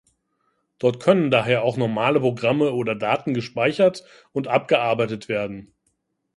Dort können daher auch normale Programme oder Daten gespeichert und abgearbeitet werden.